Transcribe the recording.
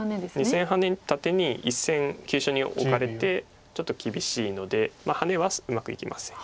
２線ハネた手に１線急所にオカれてちょっと厳しいのでハネはうまくいきません。